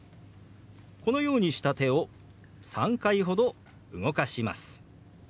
このようにした手を３回ほど動かします。